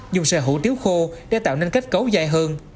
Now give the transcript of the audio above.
dùng xà hủ tiếu khô để tạo nên kết cấu dài hơn